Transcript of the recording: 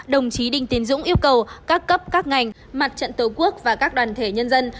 đồng chí đinh tiến dũng yêu cầu các cấp các ngành mặt trận tổ quốc và các đoàn thể nhân dân